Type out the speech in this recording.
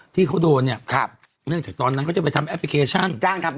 ที่เขาโดนเนี่ยเนื่องจากตอนนั้นก็จะไปทำแอปพลิเคชัน